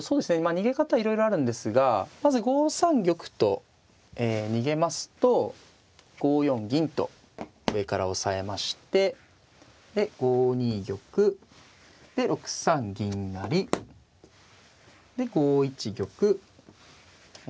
逃げ方いろいろあるんですがまず５三玉と逃げますと５四銀と上から押さえましてで５二玉で６三銀成で５一玉えで６二馬と。